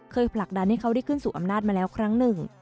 ผลักดันให้เขาได้ขึ้นสู่อำนาจมาแล้วครั้งหนึ่ง